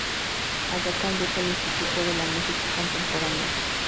Allá condujo el Instituto de la música contemporánea.